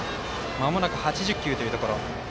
まもなく８０球というところ。